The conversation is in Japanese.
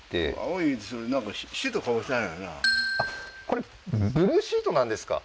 これブルーシートなんですか？